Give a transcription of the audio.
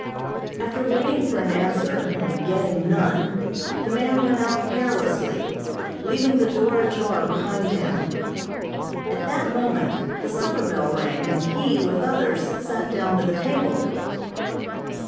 After waiting for an answer, and getting none, the man went out carelessly, leaving the door ajar behind him. At that moment the supper bell rang and he, with others, sat down to the table.